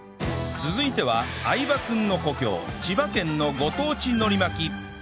続いては相葉君の故郷千葉県のご当地海苔巻き